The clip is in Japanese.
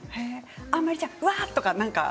あんまりうわあ、とか。